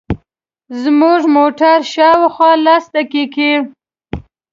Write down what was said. زموږ موټر شاوخوا لس دقیقې.